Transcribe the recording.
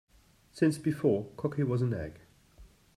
Since before cocky was an egg.